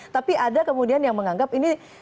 tapi ada kemudian yang menganggap ini